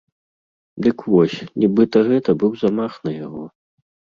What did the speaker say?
Дык вось, нібыта гэта быў замах на яго.